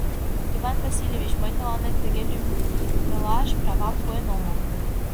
Иван Васильевич, мый тыланет тыге лӱмдылаш правам пуэн омыл...